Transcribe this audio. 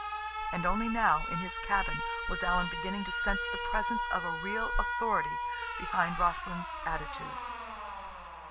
And only now, in his cabin, was Alan beginning to sense the presence of a real authority behind Rossland's attitude.